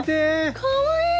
かわいい！